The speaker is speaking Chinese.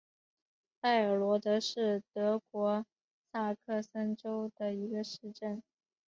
拜尔罗德是德国萨克森州的一个市镇。